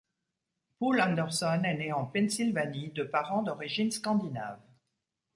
Poul Anderson est né en Pennsylvanie de parents d'origine scandinave.